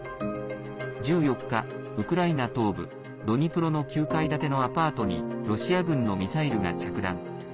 １４日、ウクライナ東部ドニプロの９階建てのアパートにロシア軍のミサイルが着弾。